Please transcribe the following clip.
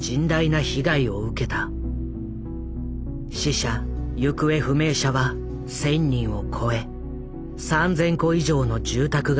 死者・行方不明者は１，０００人を超え３，０００戸以上の住宅が倒壊した。